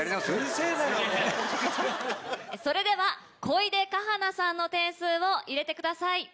それでは小出夏花さんの点数を入れてください。